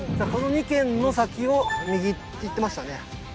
この２軒の先を右って言ってましたね。